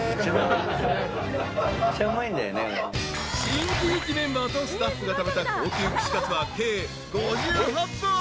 ［新喜劇メンバーとスタッフが食べた高級串カツは計５８本］